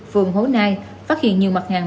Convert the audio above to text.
phường hố nai phát hiện nhiều mặt hàng